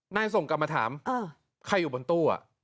นายส่งกลับมาถามใครอยู่บนตู้